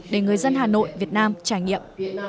để người dân hà nội việt nam trải nghiệm